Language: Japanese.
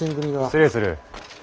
失礼する。